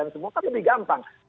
semua kan lebih gampang